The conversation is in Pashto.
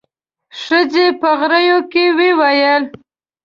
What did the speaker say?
ښځې په غريو کې وويل.